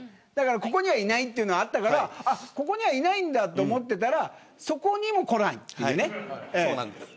だから、ここにはいないっていうのがあったからここにはいないんだって思ってたらそこにも来ないっていうね。